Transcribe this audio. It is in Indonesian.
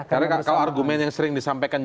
karena kita harus mengatakan kepentingan kita